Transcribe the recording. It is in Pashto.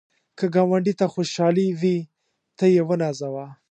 که ګاونډي ته خوشحالي وي، ته یې ونازوه